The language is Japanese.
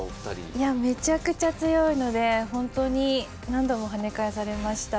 いやめちゃくちゃ強いのでほんとに何度もはね返されました。